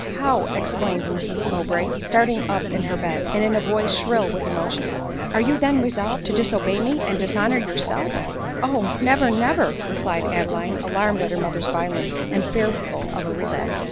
" How !" exclaimed Mrs Mowbray, starting up in her bed, and in a voice shrill with emotion, " are you then resolved to disobey me, and dishonor yourself ?"" Oh ! never, never !" replied Adeline, alarmed at her mother's violence, and fearful of a relapse.